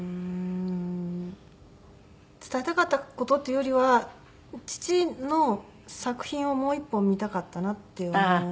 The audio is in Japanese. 伝えたかった事っていうよりは父の作品をもう一本見たかったなって思う。